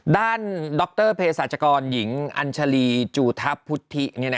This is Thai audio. ด้านดรเพศาจกรหญิงอัญชารีจูธะพุธิ